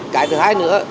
cái thứ hai nữa